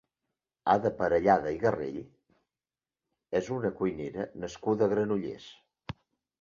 Ada Parellada i Garrell és una cuinera nascuda a Granollers.